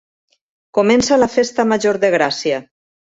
Comença la festa major de Gràcia.